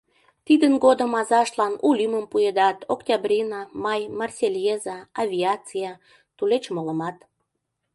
Тидын годым азаштлан у лӱмым пуэдат: Октябрина, Май, Марсельеза, Авиация, тулеч молымат.